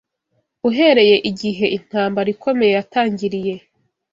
Uhereye igihe intambara ikomeye yatangiriye